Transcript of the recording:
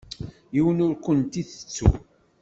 Yiwen ur kent-itettu.